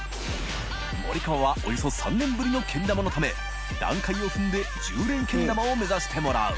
およそ３年ぶりのけん玉のため奮鯑Г鵑１０連けん玉を目指してもらう磴